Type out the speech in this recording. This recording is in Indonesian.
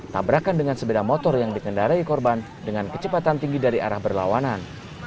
tabrakan dengan sepeda motor yang dikendarai korban dengan kecepatan tinggi dari arah berlawanan